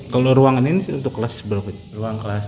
kalau ruangan ini untuk kelas ruang kelas